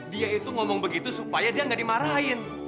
dia itu ngomong begitu supaya dia nggak dimarahin